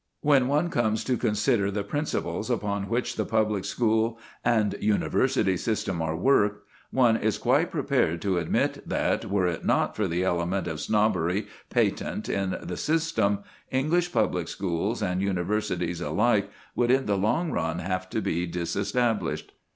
When one comes to consider the principles upon which the public school and university system are worked, one is quite prepared to admit that, were it not for the element of snobbery patent in the system, English public schools and universities alike would in the long run have to be disestablished.